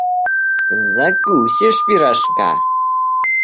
Закусишь пирожка!